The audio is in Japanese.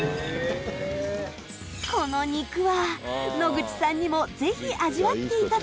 この肉は野口さんにもぜひ味わっていただきたい。